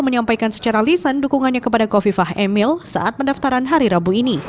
menyampaikan secara lisan dukungannya kepada kofifah emil saat pendaftaran hari rabu ini